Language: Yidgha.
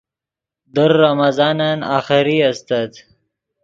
در رمضانن آخری استت